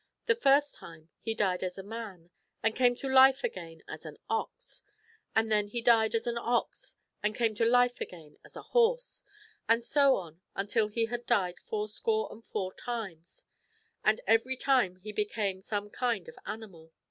The first time he died as a man, and came to life again as an ox ; and then he died as an ox and came to life again as a horse, and so on until he had died fourscore and four times ; and every time he became some kind of animal.